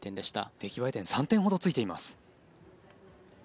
出来栄え点３点ほどついています。